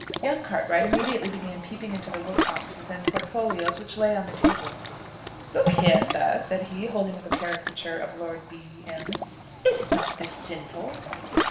Young Cartwright immediately began peeping into the work boxes and portfolios which lay on the tables. "Look here, sir," said he, holding up a caricature of Lord B m. "Is not this sinful?"